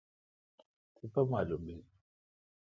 تیپہ معالم بیل۔